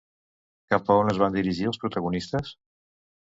Cap a on es van dirigir els protagonistes?